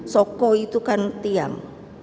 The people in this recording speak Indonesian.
soko itu kan tiang